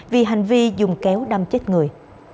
vì hành vi dùng kéo đâm chết người